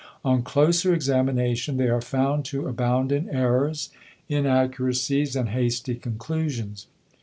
On closer examination they are found to abound in errors, inaccuracies and hasty conclusions.